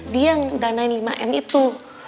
dia yang danain lima m itu